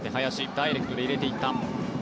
ダイレクトに入れていった。